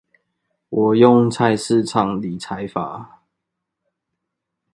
我用菜市場理財法